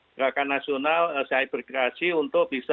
gerakan nasional saya bergerasi untuk bisa